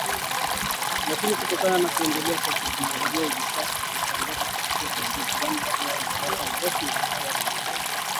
Lakini kutokana na kuendelea kwa teknolojia hivi sasa tunatangaza kupitia pia kwenye mitambo ya masafa marefu na kupitia redio zetu